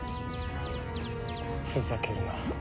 ふざけるな。